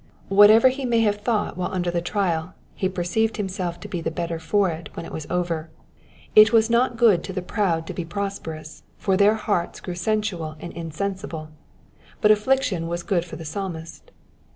Whatever he may have thought while under the Digitized by VjOOQIC 1G6 EXPOSITIONS OF THE PSALMS. trial, he perceived himself to be the better for it ^ when it was over. It was not good to the jproud to be prosperous, for their hearts grew sensual and insensible ; but amiction was good for the Psalmist.